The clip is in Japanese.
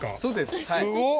すごっ！